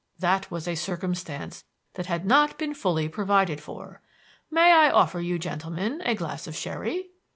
That was a circumstance that had not been fully provided for. May I offer you gentlemen a glass of sherry?"